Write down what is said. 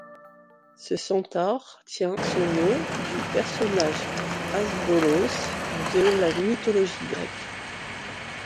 Ce centaure tient son nom du personnage Asbolos de la mythologie grecque.